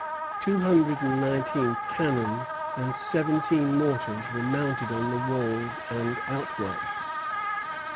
Two hundred and nineteen cannon and seventeen mortars were mounted on the walls and outworks.